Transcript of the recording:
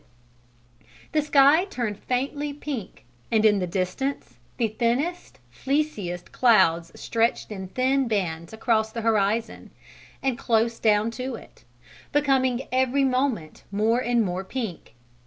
Then the sky turned faintly pink and in the distance the thinnest, fleeciest clouds stretched in thin bands across the horizon and close down to it, becoming every moment more and more pink.